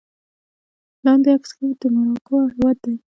لاندې عکس کې د مراکو هېواد دی